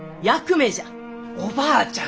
おばあちゃん！